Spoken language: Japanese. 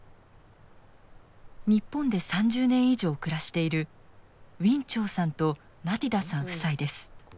日本で３０年以上暮らしているウィン・チョウさんとマティダさん夫妻です。